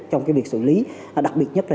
trong cái việc xử lý đặc biệt nhất là